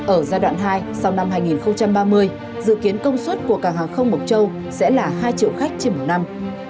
ở giai đoạn hai sau năm hai nghìn ba mươi dự kiến công suất của cảng hàng không mộc châu sẽ là hai triệu khách trên một năm